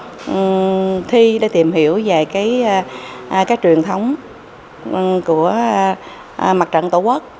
các đợt thi để tìm hiểu về truyền thống của mặt trận tổ quốc